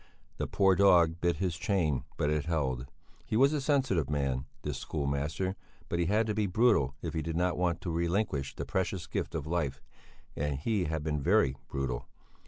The poor dog bit his chain, but it held. He was a sensitive man, this schoolmaster, but he had to be brutal if he did not want to relinquish the precious gift of life, and he had been very brutal.